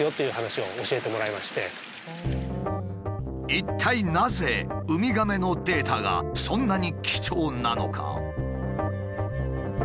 一体なぜウミガメのデータがそんなに貴重なのか？